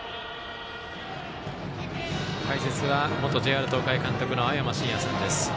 解説は元ＪＲ東海監督の青山眞也さんです。